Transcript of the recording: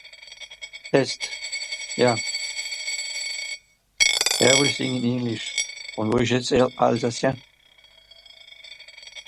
This program was initially named the Elementary School For The Gifted.